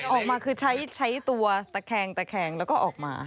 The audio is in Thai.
ออกมาคือใช้ตัวตะแคงตะแคงแล้วก็ออกมา